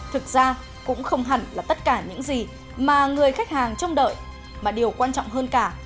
thực ra cũng không hẳn là tất cả những gì mà người khách hàng trông đợi mà điều quan trọng hơn cả